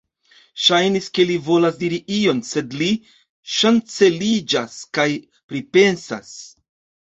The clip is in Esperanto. Ŝajnis, ke li volas diri ion, sed li ŝanceliĝas kaj pripensas.